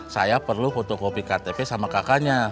saya perlu foto copy ktp sama kakanya